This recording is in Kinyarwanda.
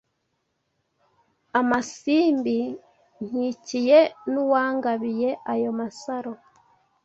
Amasimbi nkikiye N’uwangabiye ayo masaro